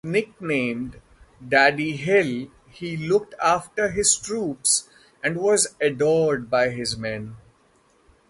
Nicknamed "Daddy Hill", he looked after his troops and was adored by his men.